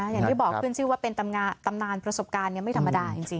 อย่างที่บอกขึ้นชื่อว่าเป็นตำนานประสบการณ์ไม่ธรรมดาจริง